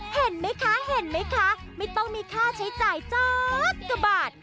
เห็นไหมคะไม่ต้องมีค่าใช้จ่ายจ๊า๊บก็บาท